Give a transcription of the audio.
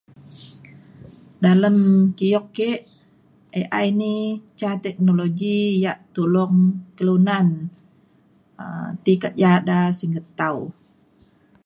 dalem kio ke AI ni ca teknologi yak tolong kelunan ti kerja da singget tau